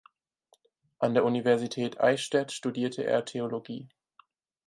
An der Universität Eichstätt studierte er Theologie.